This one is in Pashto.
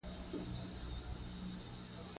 سپینه واوره پر مځکه باندې یو سپین پړونی غوړوي.